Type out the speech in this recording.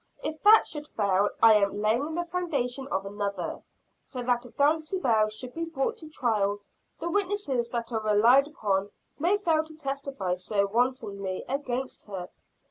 If that should fail, I am laying the foundation of another so that if Dulcibel should be brought to trial, the witnesses that are relied upon may fail to testify so wantonly against her.